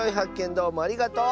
どうもありがとう！